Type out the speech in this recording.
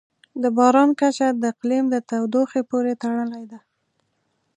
د باران کچه د اقلیم د تودوخې پورې تړلې ده.